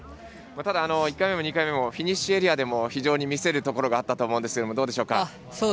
ただ、１回目も２回目もフィニッシュエリアでも非常に見せるところがあったと思うんですがどうでしょうか？